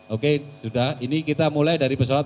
oke sudah ini kita mulai dari pesawat